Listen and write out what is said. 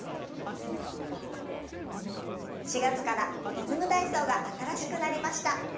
４月から「リズム体操」が新しくなりました。